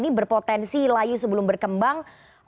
ini berpotensi layu sebelum berkembang